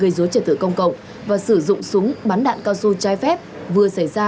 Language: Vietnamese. đối với trẻ tử công cộng và sử dụng súng bắn đạn cao su trái phép vừa xảy ra